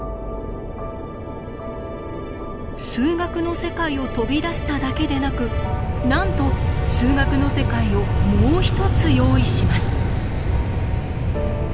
数学の世界を飛び出しただけでなくなんと数学の世界をもう一つ用意します。